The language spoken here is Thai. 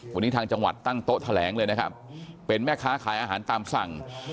วันนี้ทางจังหวัดตั้งโต๊ะแถลงเลยนะครับเป็นแม่ค้าขายอาหารตามสั่ง